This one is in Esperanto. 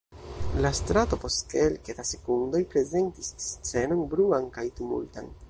La strato post kelke da sekundoj prezentis scenon bruan kaj tumultan.